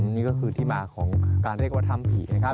นี่ก็คือที่มาของการเรียกว่าทำผีนะครับ